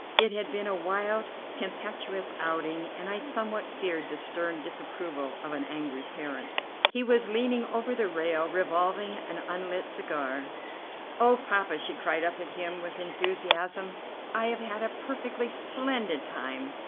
It had been a wild, tempestuous outing, and I somewhat feared the stern disapproval of an angry parent. He was leaning over the rail revolving an unlit cigar. "Oh, Poppa!" she cried up at him with enthusiasm, "I have had a perfectly splendid time.